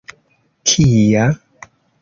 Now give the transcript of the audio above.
kia